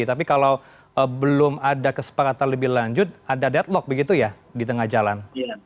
tapi kalau belum ada kesepakatan lebih lanjut ada deadlock begitu ya di tengah jalan